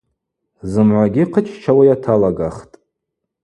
Зымгӏвагьи хъыччауа йаталагахтӏ.